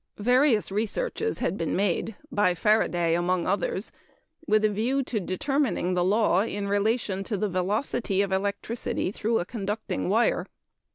Various researches had been made by Faraday among others with a view to determining the law in relation to the velocity of electricity through a conducting wire.